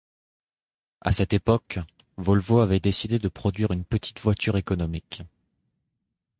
À cette époque, Volvo avait décidé de produire une petite voiture économique.